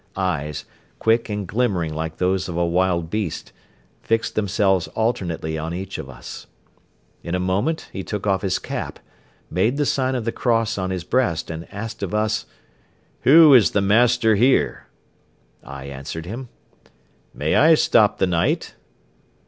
Eyes, quick and glimmering like those of a wild beast, fixed themselves alternately on each of us. In a moment he took off his cap, made the sign of the cross on his breast and asked of us: "Who is the master here?" I answered him. "May I stop the night?"